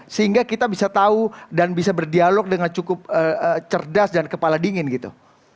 sehingga kita bisa tahu dan bisa berdialog dengan cukup cerdas dan kepala dingin gitu